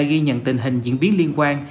ghi nhận tình hình diễn biến liên quan